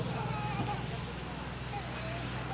สวัสดีครับทุกคน